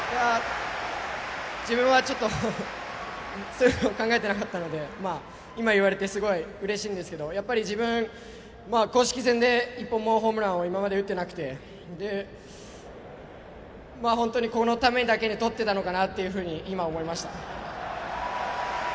自分は、ちょっとそういうのは考えてなかったので今、言われてすごいうれしいんですけど自分、公式戦で１本もホームランを打っていなくて本当に、このためだけにとってたのかなというふうに今、思いました。